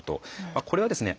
これはですね